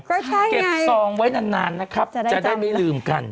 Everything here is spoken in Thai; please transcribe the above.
ก็ใช่เก็บซองไว้นานนะครับจะได้ไม่ลืมกัน